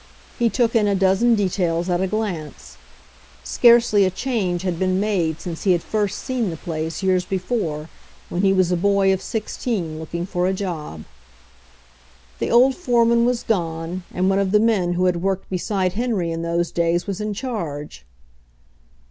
He took in a dozen details at a glance. Scarcely a change had been made since he had first seen the place years be fore when he was a boy of sixteen looking for a job. The old foreman was gone and one of the men who had worked beside Henry in those days was in charge.